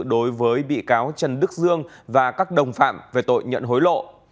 đối với bị cáo trần đức dương và các đồng phạm về tội nhận hối lộ